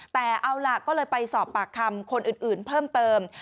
แต่เอาล่ะก็เลยไปสอบปากคำคนอื่นเพิ่มเติม